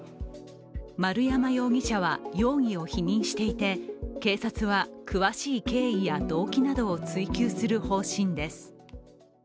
丸山容疑者は容疑を否認していて警察は詳しい経緯や動機などを追及する方針です。